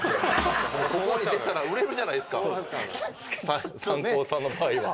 ここに出たら売れるじゃないですかサンコーの場合は。